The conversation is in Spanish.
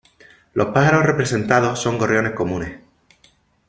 Los pájaros representados son gorriones comunes.